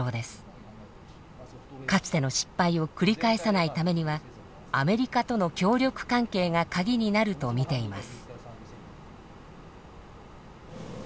かつての失敗を繰り返さないためにはアメリカとの協力関係がカギになると見ています。